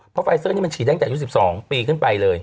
เพราะไฟเซอร์นี่มันฉีดตั้งแต่อายุ๑๒ปีขึ้นไปเลย